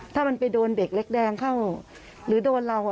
ถ้ามันไปโดนเด็กเล็กแดงเข้าหรือโดนเรา